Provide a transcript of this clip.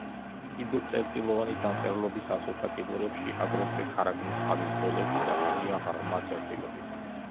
კიდურწერტილოვანი დამწერლობის ასოთა კიდურებში, აგრეთვე ქარაგმის ხაზის ბოლოებში დასმულია ღრმა წერტილები.